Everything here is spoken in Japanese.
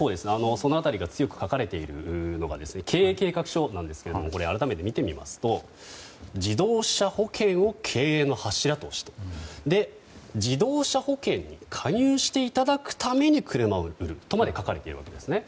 その辺りが強く書かれているのが経営計画書なんですが改めて見てみますと自動車保険を経営の柱として自動車保険に加入していただくために車を売るとまで書かれているんですね。